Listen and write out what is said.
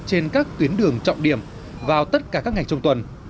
trên các tuyến đường trọng điểm vào tất cả các ngày trong tuần